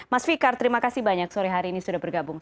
mas fikar terima kasih banyak sore hari ini sudah bergabung